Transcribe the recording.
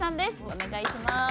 お願いします。